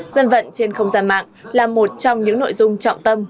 dân vận trên không gian mạng là một trong những nội dung trọng tâm